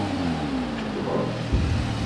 Txedmeḍ?